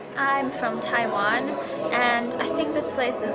saya dari taiwan dan saya pikir tempat ini sangat